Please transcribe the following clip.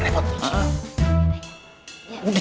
udah cepet bikinin